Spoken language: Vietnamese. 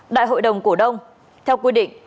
đại hội đồng cổ đông theo quy định